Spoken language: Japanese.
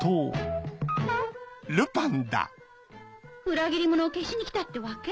裏切り者を消しに来たってわけ？